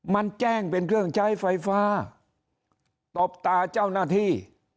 มันแจ้งเป็นเครื่องใช้ไฟฟ้าตบตาเจ้าหน้าที่